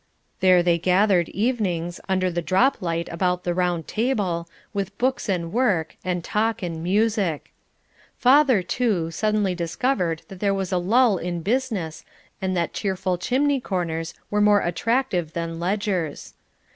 There they gathered evenings, under the drop light about the round table, with books and work, and talk and music. Father, too, suddenly discovered that there was a lull in business, and that cheerful chimney corners were more attractive than ledgers.